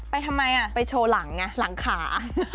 ไปทำไมน่ะไปโชว์หลังน่ะหลังขา